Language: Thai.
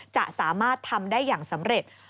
จะสามารถทำได้อย่างสำเร็จ